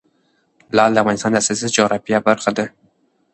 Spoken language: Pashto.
لعل د افغانستان د سیاسي جغرافیه برخه ده.